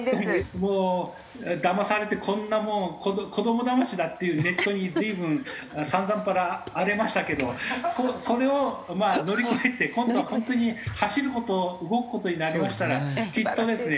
もうだまされてこんなもん子どもだましだっていうネットに随分さんざっぱら荒れましたけどそれをまあ乗り越えて今度は本当に走る事動く事になりましたらきっとですね